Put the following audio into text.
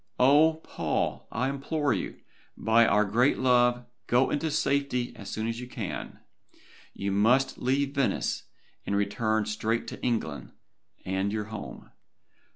Oh! Paul, I implore you, by our great love, go into safety as soon as you can. You must leave Venice, and return straight to England, and your home.